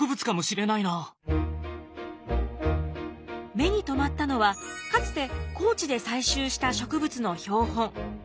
目に留まったのはかつて高知で採集した植物の標本。